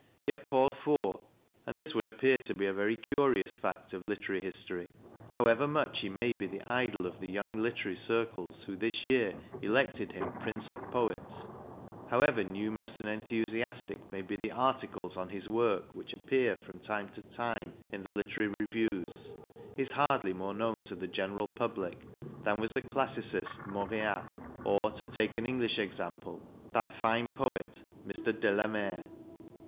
Yet Paul Fort and this would appear to be a very curious fact of literary history however much he may be the idol of the young literary circles who this year elected him Prince of Poets, however numerous and enthusiastic may be the articles on his work which appear from time to time in the literary reviews, is hardly more known to the general public than was the classicist Moreas or, to take an English example, that fine poet Mr. De la Mare.